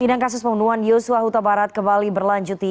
sidang kasus pembunuhan yosua huta barat kembali berlanjuti